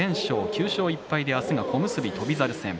９勝１敗で明日は小結翔猿戦。